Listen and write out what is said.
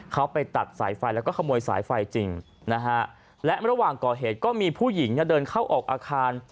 เขาไปตัดสายไฟแล้วก็ขโมยสายไฟจริงนะฮะและระหว่างก่อเหตุก็มีผู้หญิงเนี่ยเดินเข้าออกอาคาร